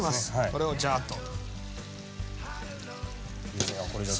これをジャーッと。